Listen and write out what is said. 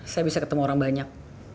saya bisa ketemu orang banyak